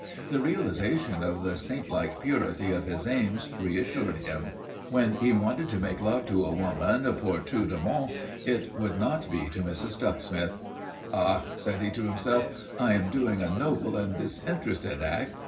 The realization of the saint like purity of his aims reassured him. When he wanted to make love to a woman, pour tout de bon, it would not be to Mrs. Ducksmith. "Bah!" said he to himself. "I am doing a noble and disinterested act.